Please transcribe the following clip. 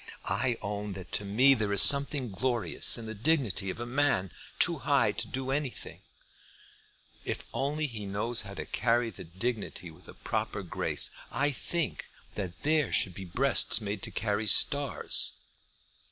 I own that to me there is something glorious in the dignity of a man too high to do anything, if only he knows how to carry that dignity with a proper grace. I think that there should be breasts made to carry stars."